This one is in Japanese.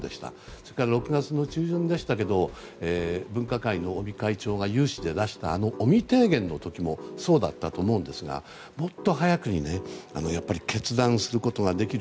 それから６月の中旬でしたけど分科会の尾身会長が尾身提言の時もそうだったと思いますがもっと早くに決断することができる。